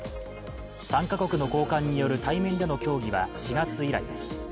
３か国の高官による対面での協議は４月以来です。